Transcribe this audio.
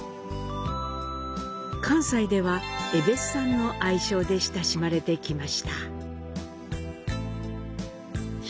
関西では「えべっさん」の愛称で親しまれてきました。